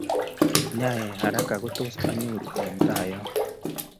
Ngiyaya haraka kotos inyoru eng tai yo